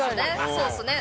そうっすね。